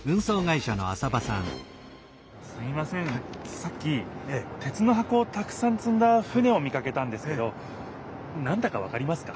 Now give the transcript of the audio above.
さっき鉄の箱をたくさんつんだ船を見かけたんですけどなんだかわかりますか？